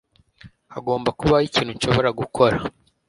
Hagomba kubaho ikintu nshobora gukora.